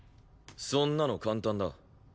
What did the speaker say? そんなの簡単だ。